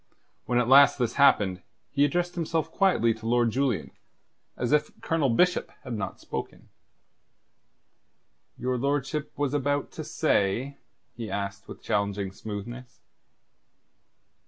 When at last this happened, he addressed himself quietly to Lord Julian, as if Colonel Bishop had not spoken. "Your lordship was about to say?" he asked, with challenging smoothness.